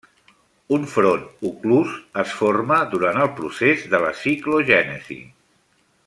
Un front oclús es forma durant el procés de la ciclogènesi.